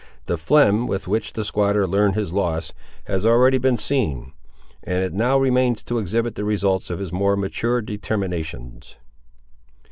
The phlegm with which the squatter learned his loss, has already been seen, and it now remains to exhibit the results of his more matured determinations.